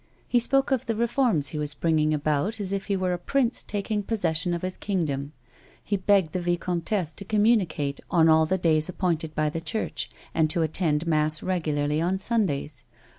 He spoke of the reforms he was bringing about as if he were a prince taking possession of his kingdom. He beo'o cd the vicomtesse to communicate on all the days ap pointed by the Church, and to attend mass regularly on Sundays.